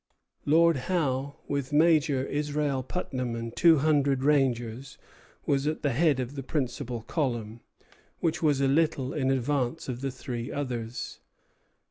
Lord Howe, with Major Israel Putnam and two hundred rangers, was at the head of the principal column, which was a little in advance of the three others.